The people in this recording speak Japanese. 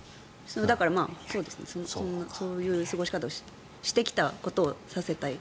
だから、そういう過ごし方をしてきたことをさせたい。